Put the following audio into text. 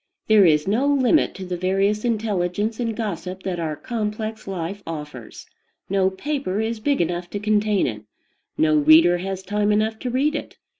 There is no limit to the various intelligence and gossip that our complex life offers no paper is big enough to contain it; no reader has time enough to read it.